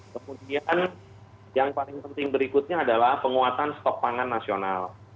kemudian yang paling penting berikutnya adalah penguatan stok pangan nasional